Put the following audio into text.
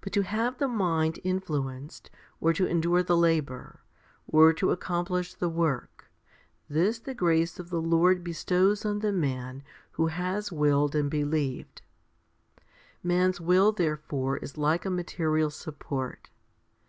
But to have the mind influenced, or to endure the labour, or to accomplish the work, this the grace of the Lord bestows on the man who has willed and believed, Man's will therefore is like a material support.